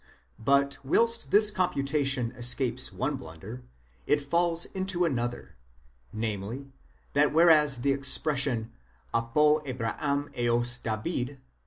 But whilst this computation escapes one blunder, it falls into another ; namely, that whereas the expression ἀπὸ ᾿Αβραὰμ ἕως Δαβὲδ κ.